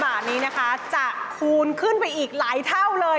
บาทนี้นะคะจะคูณขึ้นไปอีกหลายเท่าเลย